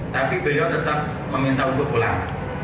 tapi beliau tetap meminta untuk pulang